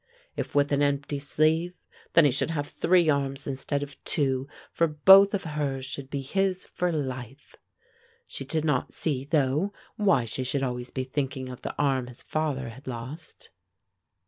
If with an empty sleeve, then he should have three arms instead of two, for both of hers should be his for life. She did not see, though, why she should always be thinking of the arm his father had lost.